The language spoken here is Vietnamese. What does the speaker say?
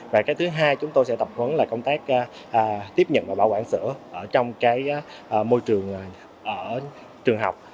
và thứ hai chúng tôi sẽ tập huấn là công tác tiếp nhận và bảo quản sữa trong môi trường trường học